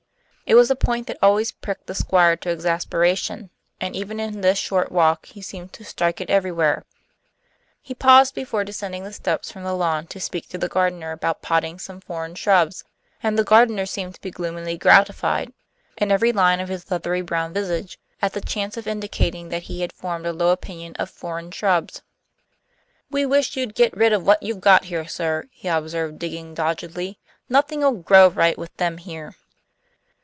It was a point that always pricked the Squire to exasperation, and even in this short walk he seemed to strike it everywhere. He paused before descending the steps from the lawn to speak to the gardener about potting some foreign shrubs, and the gardener seemed to be gloomily gratified, in every line of his leathery brown visage, at the chance of indicating that he had formed a low opinion of foreign shrubs. "We wish you'd get rid of what you've got here, sir," he observed, digging doggedly. "Nothing'll grow right with them here."